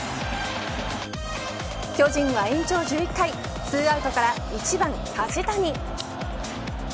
巨人は延長１１回２アウトから１番、梶谷。